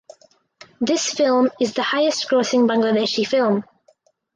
This film is the highest grossing Bangladeshi film.